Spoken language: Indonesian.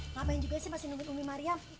ngapain juga sih masih nunggu umi mariam